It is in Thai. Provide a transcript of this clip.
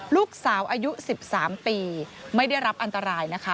ลูกสาวอายุ๑๓ปีไม่ได้รับอันตรายนะคะ